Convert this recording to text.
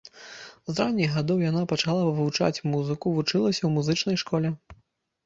З ранніх гадоў яна пачала вывучаць музыку, вучылася ў музычнай школе.